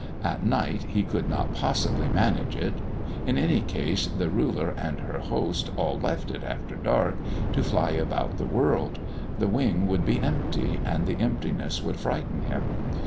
At night he could not possibly manage it; in any case, the Ruler and her host all left it after dark, to fly about the world; the Wing would be empty, and the emptiness would frighten him.